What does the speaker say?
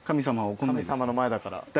神様の前だから。